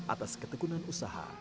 atas ketegunan usaha